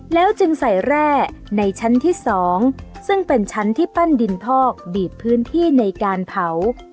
แล้วจึงใส่แร่ในชั้นที่๒ซึ่งเป็นชั้นที่ปั้นดินพอกบีบพื้นที่ในการเผา